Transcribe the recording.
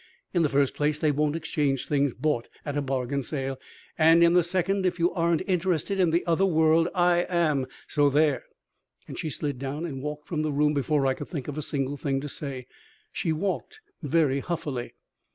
In the first place they won't exchange things bought at a bargain sale, and in the second, if you aren't interested in the other world I am. So there!" and she slid down and walked from the room before I could think of a single thing to say. She walked very huffily.